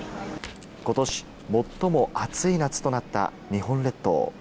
ことし最も暑い夏となった日本列島。